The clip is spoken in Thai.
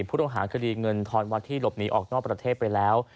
ผู้ต้องหาคดีเงินทอนวัดที่หลบหนีออกนอกประเทศไปแล้ว